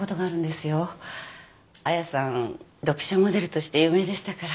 亜矢さん読者モデルとして有名でしたから。